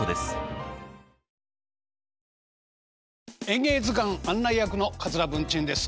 「演芸図鑑」案内役の桂文珍です。